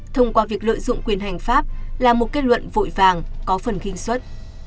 thông qua việc lợi dụng quyền hành pháp là một kết luận vội vàng có phần khinh xuất